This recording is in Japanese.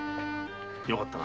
よかったな。